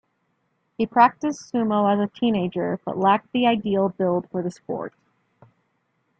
He practiced sumo as a teenager, but lacked the ideal build for the sport.